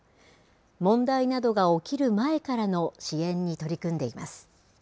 問題などが起きる前からの支援に取り組んでいます。